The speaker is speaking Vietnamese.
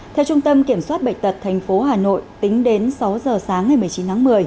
theo trung tâm kiểm soát bệnh tật tp hà nội tính đến sáu giờ sáng ngày một mươi chín tháng một mươi